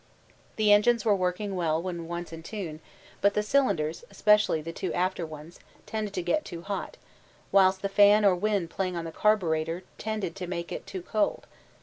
The engines were working well when once in tune, but the cylinders, especially the two after ones, tended to get too hot, whilst the fan or wind playing on the carburetter tended to make it too cold.